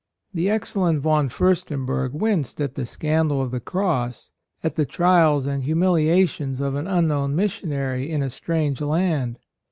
The excellent Von Fiirsten berg winced at the scandal of the Cross, — at the trials and humiliations of an unknown missionary in a strange land.